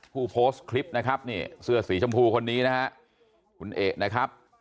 ผู้โพสต์คลิปนะครับนี่เสื้อสีชมพูคนนี้นะฮะคุณเอกนะครับ